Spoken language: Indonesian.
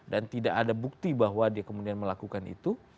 dan tidak ada bukti bahwa dia kemudian melakukan itu